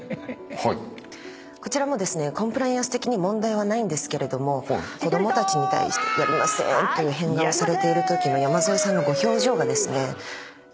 こちらもコンプライアンス的に問題はないんですけれども子供たちに対して「やりませーん」という変顔をされているときの山添さんのご表情がですね。